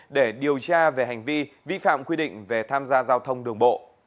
để điều tra về hành vi vi phạm quy định về tham gia giao thông đường bộ